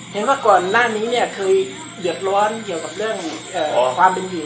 เห็นว่าก่อนหน้านี้เคยเหยือบร้อนเหยือกับเรื่องความเป็นอยู่